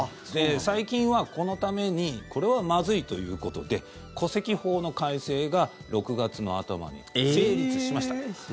最近はこのためにこれはまずいということで戸籍法の改正が６月の頭に成立しました。